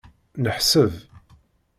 Neḥseb.